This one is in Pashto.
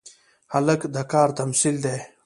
هلک د کار تمثیل دی.